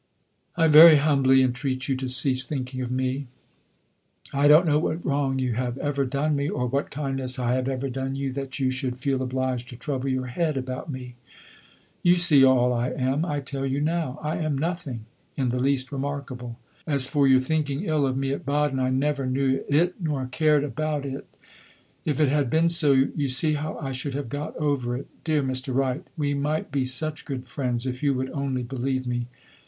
I very humbly entreat you to cease thinking of me. I don't know what wrong you have ever done me, or what kindness I have ever done you, that you should feel obliged to trouble your head about me. You see all I am I tell you now. I am nothing in the least remarkable. As for your thinking ill of me at Baden, I never knew it nor cared about it. If it had been so, you see how I should have got over it. Dear Mr. Wright, we might be such good friends, if you would only believe me.